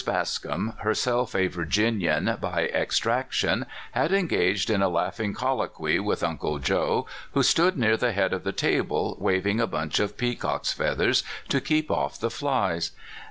Bascom, herself a Vir ginian by extraction, had engaged in a laughing colloquy with Uncle Joe, who stood near the head of the table waving a bunch of peacock's feathers to keep off the flies.